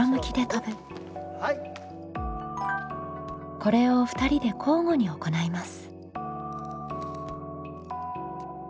これを２人で交互に行います。